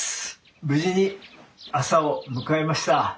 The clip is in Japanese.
無事に朝を迎えました。